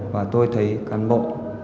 và tôi thấy cán bộ